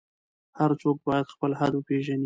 هر څوک باید خپل حد وپیژني.